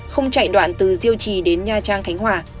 không chạy đoạn từ diêu trì đến nha trang khánh hòa